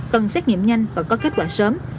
cần xét nghiệm nhanh và có kết quả sớm